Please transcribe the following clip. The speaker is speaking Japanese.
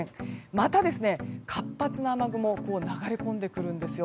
また、活発な雨雲が流れ込んでくるんですよ。